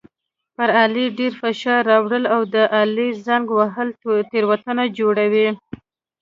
پر آلې ډېر فشار راوړل او د آلې زنګ وهل تېروتنه جوړوي.